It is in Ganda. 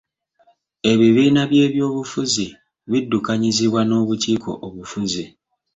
Ebibiina by'ebyobufuzi biddukanyizibwa n'obukiiko obufuzi.